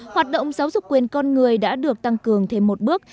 hoạt động giáo dục quyền con người đã được tăng cường thêm một bước